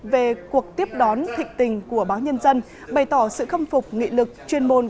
về cuộc tiếp đón thịnh tình của báo nhân dân bày tỏ sự khâm phục nghị lực chuyên môn